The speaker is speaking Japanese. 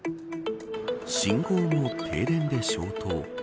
信号も停電で消灯。